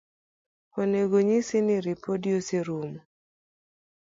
Onego onyis ni ripodi oserumo